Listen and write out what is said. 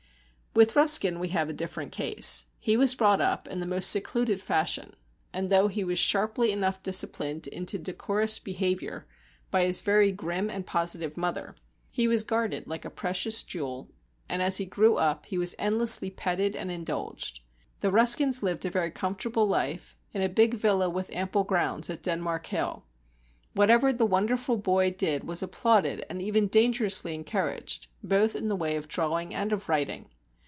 With Ruskin we have a different case. He was brought up in the most secluded fashion, and though he was sharply enough disciplined into decorous behaviour by his very grim and positive mother, he was guarded like a precious jewel, and as he grew up he was endlessly petted and indulged. The Ruskins lived a very comfortable life in a big villa with ample grounds at Denmark Hill. Whatever the wonderful boy did was applauded and even dangerously encouraged, both in the way of drawing and of writing.